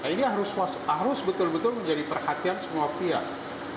ini harus betul betul menjadi perhatian semua pihak